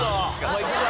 もういくぞ。